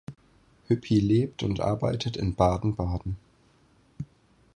Hüppi lebt und arbeitet in Baden-Baden.